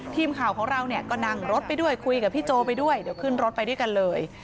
ทีมข่าวของเราเนี่ยก็นั่งรถไปด้วยคุยกับพี่โจไปด้วยเดี๋ยวขึ้นรถไปด้วยกันเลย